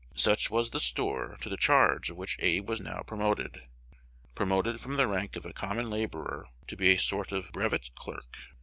Such was the store to the charge of which Abe was now promoted, promoted from the rank of a common laborer to be a sort of brevet clerk.